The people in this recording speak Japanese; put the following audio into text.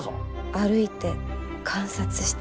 歩いて観察して。